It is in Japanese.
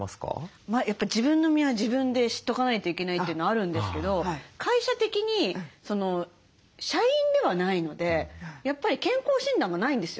やっぱり自分の身は自分で知っとかないといけないというのあるんですけど会社的に社員ではないのでやっぱり健康診断がないんですよ。